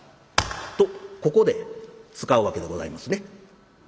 とここで使うわけでございますね。